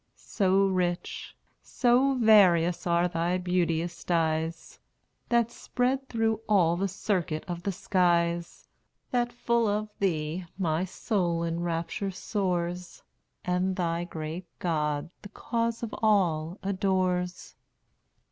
So rich, so various are thy beauteous dyes, That spread through all the circuit of the skies, That, full of thee, my soul in rapture soars, And thy great God, the cause of all, adores!